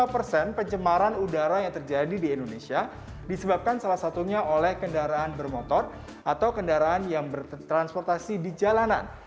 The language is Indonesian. dua puluh lima persen pencemaran udara yang terjadi di indonesia disebabkan salah satunya oleh kendaraan bermotor atau kendaraan yang bertransportasi di jalanan